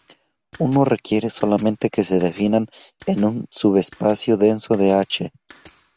Uno requiere solamente que se definan en un subespacio denso de "H".